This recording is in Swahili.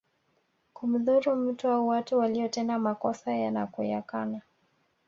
Kumdhuru mtu au watu waliotenda makosa na kuyakana